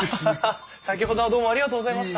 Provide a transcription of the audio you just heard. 先ほどはどうもありがとうございました。